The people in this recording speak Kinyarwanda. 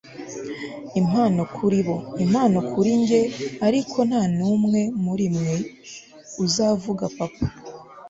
impano kuri bo, impano kuri njye, ariko ntanumwe murimwe uzavuga papa